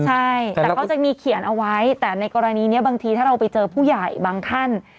ใช่แต่เขาจะมีเขียนเอาไว้แต่ในกรณีนี้บางทีถ้าเราไปเจอผู้ใหญ่บางท่าน